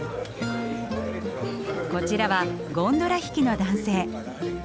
こちらはゴンドラ引きの男性。